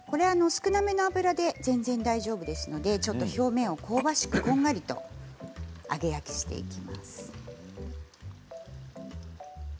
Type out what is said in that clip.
少なめの油で全然大丈夫ですので表面を香ばしく、こんがりと揚げ焼きしていきます。